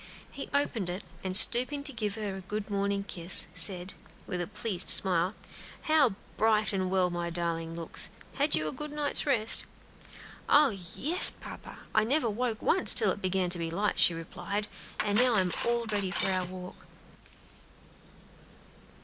He opened it, and stooping to give her a good morning kiss, said, with a pleased smile, "How bright and well my darling looks! Had you a good night's rest?" "Oh, yes, papa! I never waked once till it began to be light," she replied; "and now I'm all ready for our walk."